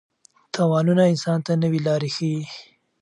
تاوانونه انسان ته نوې لارې ښيي.